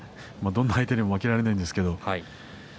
どんな相手にも負けられないんですけど。